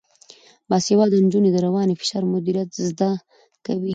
باسواده نجونې د رواني فشار مدیریت زده کوي.